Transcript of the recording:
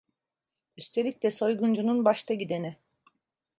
Üstelik de soyguncunun başta gideni.